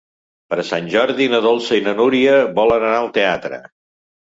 Per Sant Jordi na Dolça i na Núria volen anar al teatre.